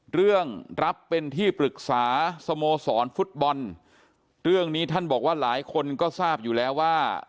เรื่องรับเป็นที่ปรึกษาสโมสรฟุตบอลเรื่องนี้ท่านบอกว่าหลายคนก็ทราบอยู่แล้วว่า